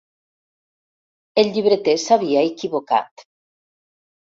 El llibreter s'havia equivocat.